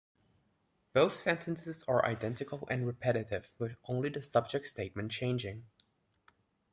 Both sentences are identical, and repetitive, with only the subject statement changing.